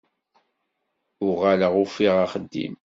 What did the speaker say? Uɣaleɣ ufiɣ axeddim.